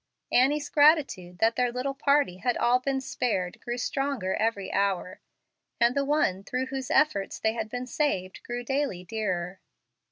Annie's gratitude that their little party had all been spared grew stronger every hour, and the one through whose efforts they had been saved grew daily dearer.